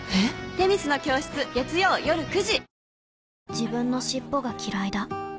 自分の尻尾がきらいだ